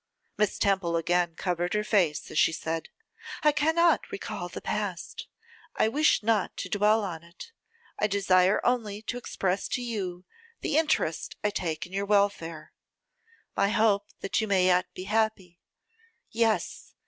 Miss Temple again covered her face as she said, 'I cannot recall the past: I wish not to dwell on it. I desire only to express to you the interest I take in your welfare, my hope that you may yet be happy. Yes!